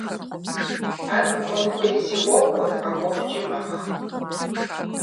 Ар къэкӏуэн хуейщи, къокӏуэ, къэкӏуэхукӏи – магъ.